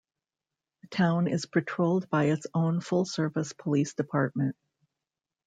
The town is patrolled by its own full service Police department.